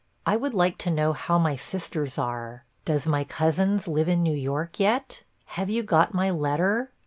I would like to know how my sisters are. Does my cousins live in New York yet? Have you got my letter?